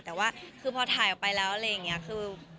แต่ว่าคือพอถ่ายออกไปแล้วอะไรอย่างนี้คือ